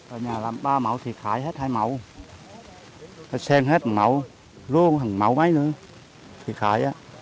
ở nhà làm ba máu thì khái hết hai máu xem hết một máu luôn một máu mấy nữa thì khái